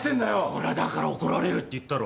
ほらだから怒られるって言ったろ。